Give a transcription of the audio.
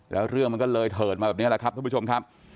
แล้วเรื่องมันก็เลยเถิดมาแบบนี้แหละครับท่านผู้ชมครับ